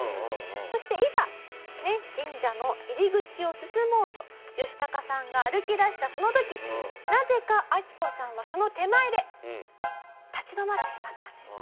そしていざ神社の入り口を進もうとヨシタカさんが歩き出したその時なぜかアキコさんはその手前で立ち止まってしまったんです。